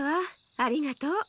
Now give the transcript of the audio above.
ありがとう。